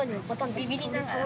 ビビりながら。